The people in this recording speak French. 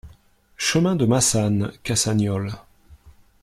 Chemin de Massanes, Cassagnoles